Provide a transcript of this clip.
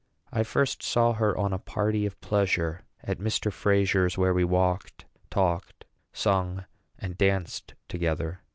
I first saw her on a party of pleasure at Mr. Frazier's, where we walked, talked, sang, and danced together.